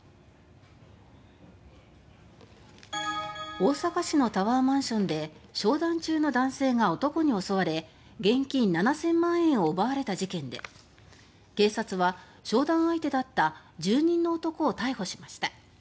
大阪市のタワーマンションで商談中の男性が男に襲われ現金７０００万円を奪われた事件で警察は商談相手だった住人の男を逮捕しました。